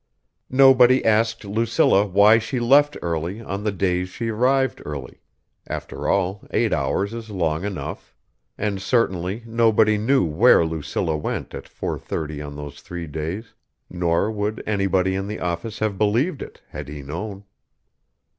Nobody asked Lucilla why she left early on the days she arrived early after all, eight hours is long enough. And certainly nobody knew where Lucilla went at 4:30 on those three days nor would anybody in the office have believed it, had he known.